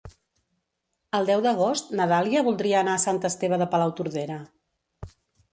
El deu d'agost na Dàlia voldria anar a Sant Esteve de Palautordera.